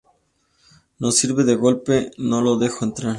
No sirve de golpe, no lo dejo entrar".